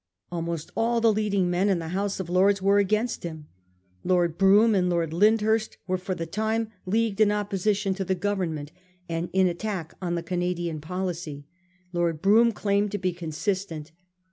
Alm ost, all the leading men in the House of Lords were against him. Lord Brougham and Lord Lynd hurst were for the time leagued in opposition to the Government and in attack on the Canadian policy. Lord Brougham claimed to be consistent.